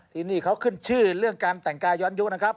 ที่นี่เขาขึ้นชื่อเรื่องการแต่งกายย้อนยุนะครับ